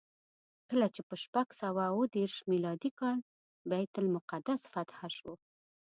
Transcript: کله چې په شپږ سوه اوه دېرش میلادي کال بیت المقدس فتحه شو.